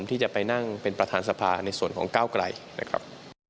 ที่จะไปนั่งเป็นประธานสภาในส่วนของก้าวไกลนะครับ